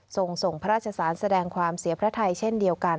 ส่งส่งพระราชสารแสดงความเสียพระไทยเช่นเดียวกัน